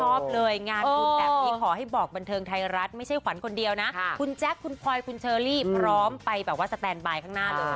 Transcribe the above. พร้อมเลยงานบุญแบบนี้ขอให้บอกบันเทิงไทยรัฐไม่ใช่ขวัญคนเดียวนะคุณแจ๊คคุณพลอยคุณเชอรี่พร้อมไปแบบว่าสแตนบายข้างหน้าเลย